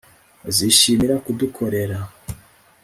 bazishimira kudukorera